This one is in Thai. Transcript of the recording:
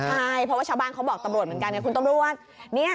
ใช่เพราะว่าชาวบ้านเขาบอกตำรวจเหมือนกันไงคุณตำรวจ